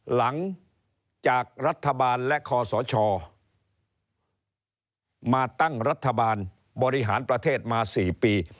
หลังจากรัฐบาลและคอสชมาตั้งรัฐบาลบริหารประเทศมา๔ปี